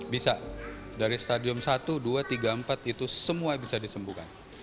bisa dari stadium satu dua tiga empat itu semua bisa disembuhkan